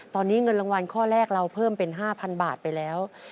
ตอนนี้เงินรางวัลข้อแรกเราเพิ่มเป็น๕๐๐บาทไปแล้ว